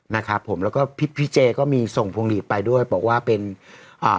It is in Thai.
นะครับผมแล้วก็พี่พี่เจก็มีส่งพวงหลีดไปด้วยบอกว่าเป็นอ่า